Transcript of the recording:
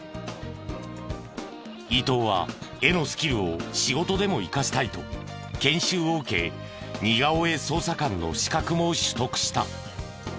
伊東は絵のスキルを仕事でも生かしたいと研修を受け似顔絵捜査官の資格も取得した。